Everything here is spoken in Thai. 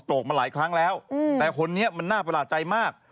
กมาหลายครั้งแล้วแต่คนนี้มันน่าประหลาดใจมาก